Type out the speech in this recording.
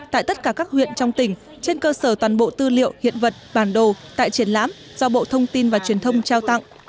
tại tất cả các huyện trong tỉnh trên cơ sở toàn bộ tư liệu hiện vật bản đồ tại triển lãm do bộ thông tin và truyền thông trao tặng